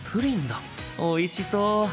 おいしそう！